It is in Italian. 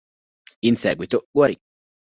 In seguito guarì.